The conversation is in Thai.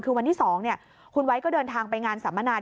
คือวันที่๒คุณไว้ก็เดินทางไปงานสัมมนา